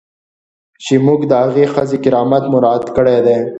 چې موږ د هغې ښځې کرامت مراعات کړی دی.